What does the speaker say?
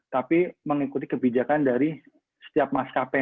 tapi mengikuti kebijakan dari setiap maskapai